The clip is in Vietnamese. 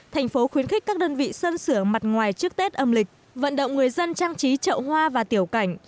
thành phố khuyến khích các đơn vị sơn sửa mặt ngoài trước tết âm lịch vận động người dân trang trí trậu hoa và tiểu cảnh